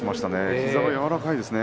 膝が柔らかいですね。